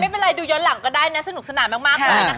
ไม่เป็นไรดูย้อนหลังก็ได้นะสนุกสนานมากเลยนะคะ